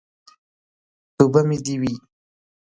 توبه مې دې وي.